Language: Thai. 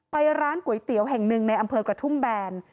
ร้านก๋วยเตี๋ยวแห่งหนึ่งในอำเภอกระทุ่มแบน